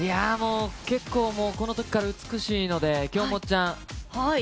結構、この時から美しいので京本ちゃん。